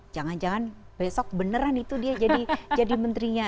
jangan jangan besok beneran itu dia jadi menterinya